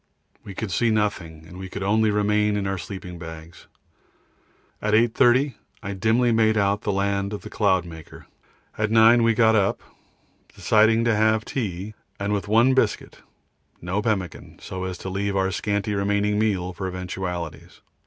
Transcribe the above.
We could see nothing, and we could only remain in our sleeping bags. At 8.30 I dimly made out the land of the Cloudmaker. At 9 we got up, deciding to have tea, and with one biscuit, no pemmican, so as to leave our scanty remaining meal for eventualities.